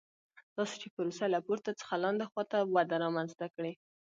داسې چې پروسه له پورته څخه لاندې خوا ته وده رامنځته کړي.